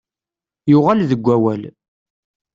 Yuɣal deg wawal.